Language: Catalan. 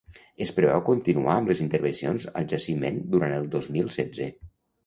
Es preveu continuar amb les intervencions al jaciment durant el dos mil setze.